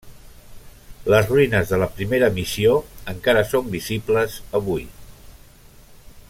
Les ruïnes de la primera missió encara són visibles avui.